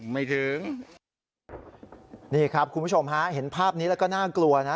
ไม่ถึงนี่ครับคุณผู้ชมฮะเห็นภาพนี้แล้วก็น่ากลัวนะ